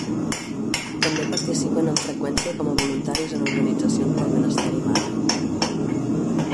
També participen amb freqüència com a voluntaris en organitzacions pel benestar animal.